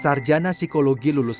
telah merancang lebih dari seribu diurusan